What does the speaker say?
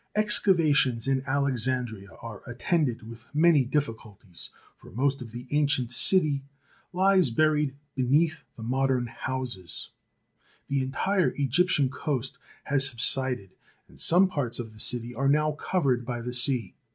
Excavations in Alexandria are attended with many difficulties, for most of the ancient city lies buried beneath the modern houses. The entire Egyptian coast has subsided, and some parts of a o w a) H l THE PHAROS OF ALEXANDRIA 187 the city are now covered by the sea.